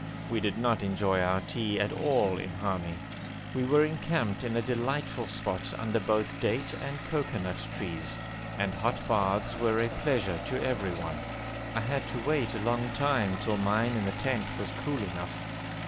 We did not enjoy our tea at all in Hami. We were encamped in a delightful spot under both date and cocoanut trees, and hot baths were a pleasure to everyone. I had to wait a long time till mine in the tent was cool enough.